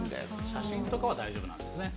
写真とかは大丈夫なんですね。